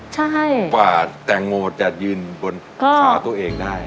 ใช่กว่าแตงโมจะยืนบนขาตัวเองได้